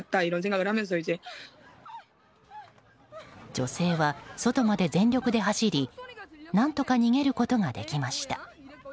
女性は外まで全力で走り何とか逃げることができました。